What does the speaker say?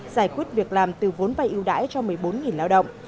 giải quyết việc làm từ vốn vay ưu đãi cho một mươi bốn lao động